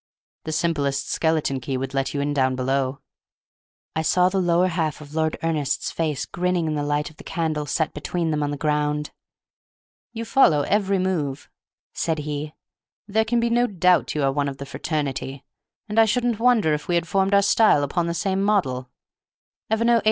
"The simplest skeleton would let you in down below." I saw the lower half of Lord Ernest's face grinning in the light of the candle set between them on the ground. "You follow every move," said he; "there can be no doubt you are one of the fraternity; and I shouldn't wonder if we had formed our style upon the same model. Ever know A.